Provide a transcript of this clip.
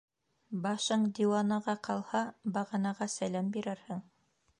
Башың диуанаға ҡалһа, бағанаға сәләм бирерһең.